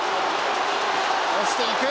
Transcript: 押していく！